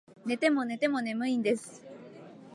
寝ても寝ても眠いんです